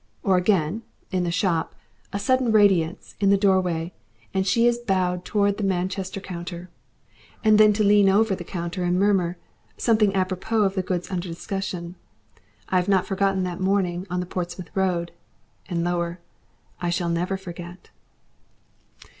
Or again, in the shop, a sudden radiance in the doorway, and she is bowed towards the Manchester counter. And then to lean over that counter and murmur, seemingly apropos of the goods under discussion, "I have not forgotten that morning on the Portsmouth road," and lower, "I never shall forget."